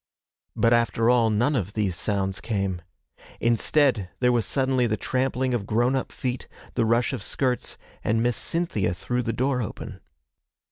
But after all, none of these sounds came. Instead, there was suddenly the trampling of grown up feet, the rush of skirts, and Miss Cynthia threw the door open.